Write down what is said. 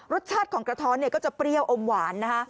รสชาติของกระท้อนเนี่ยก็จะเปรี้ยวอมหวานนะคะ